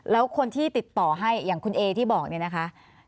แล้วคนที่ติดต่อให้อย่างคุณเอที่บอกเนี่ยนะคะ